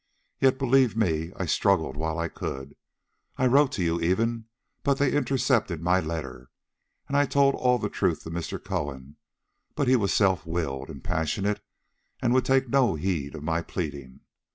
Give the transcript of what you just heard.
Yet, believe me, I struggled while I could; I wrote to you even, but they intercepted my letter; and I told all the truth to Mr. Cohen, but he was self willed and passionate, and would take no heed of my pleading.